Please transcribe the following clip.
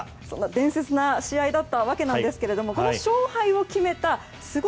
伝説の試合だったわけですがこの勝敗を決めたスゴ